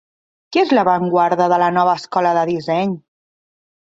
Qui és a l'avantguarda de la nova escola de disseny?